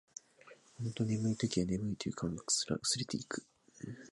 ほんと眠い時は、眠いという感覚すら薄れていく